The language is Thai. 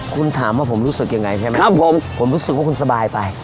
คุณถามว่าผมรู้สึกยังไงใช่ไหมครับผมผมรู้สึกว่าคุณสบายไป